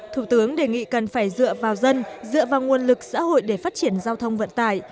thủ tướng đề nghị cần phải dựa vào dân dựa vào nguồn lực xã hội để phát triển giao thông vận tải